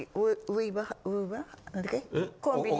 コンビニ。